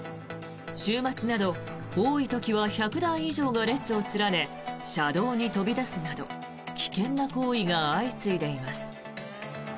週末など多い時は１００台以上が列を連ね車道に飛び出すなど危険な行為が相次いでいます。